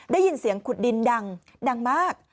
ได้ยินเสียงขุดดินดังดังมาก